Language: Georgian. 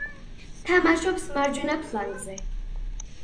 თამაშობს მარჯვენა ფლანგზე.